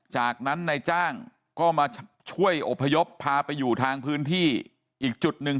จากนั้นนายจ้างก็มาช่วยอบพยพพาไปอยู่ทางพื้นที่อีกจุดหนึ่ง